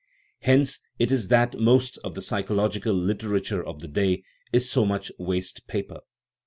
Hence it is that most of the psychological literature of the day is so much waste paper.